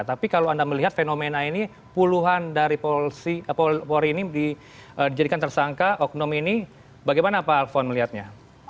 tapi kalau anda melihat fenomena ini puluhan dari polri ini dijadikan tersangka oknum ini bagaimana pak alfon melihatnya